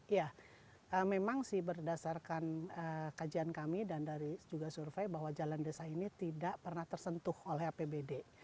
ya memang sih berdasarkan kajian kami dan dari juga survei bahwa jalan desa ini tidak pernah tersentuh oleh apbd